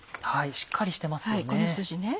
しっかりしてますよね。